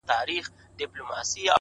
• زړه یې ووتی له واکه نا آرام سو ,